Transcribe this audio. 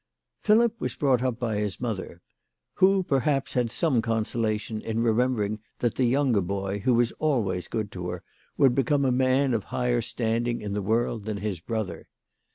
Philip was brought up by his mother, who, perhaps, had some consolation in remembering that the younger boy, who was always good to her, would become a man of higher standing in the world than his brother.